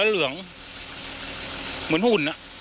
เหรื่องเหมือนหุ่นน่ะ